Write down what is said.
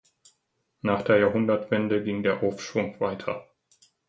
Nach der Jahrhundertwende ging der Aufschwung weiter.